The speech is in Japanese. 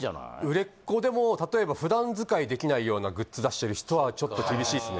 売れっ子でも例えば普段使いできないようなグッズ出してる人はちょっと厳しいっすね